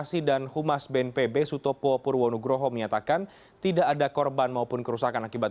yang menyusup ke bawah lempeng eurasia